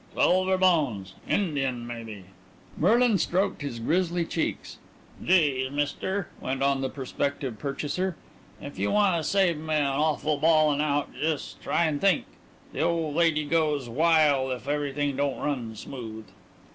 "Silver Bones. Indian, maybe." Merlin, stroked his grizzly cheeks. "Gees, Mister," went on the prospective purchaser, "if you wanna save me an awful bawln' out jes' try an' think. The old lady goes wile if everything don't run smooth."